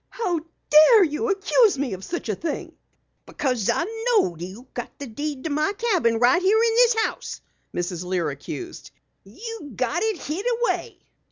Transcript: "How dare you accuse me of such a thing!" "Because I know you got the deed to my cabin right here in the house!" Mrs. Lear accused. "You've got it hid away!"